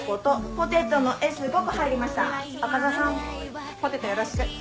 ポテトよろしく。